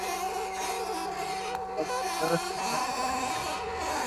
La llamada guerra de Margallo le benefició con un ascenso a capitán general.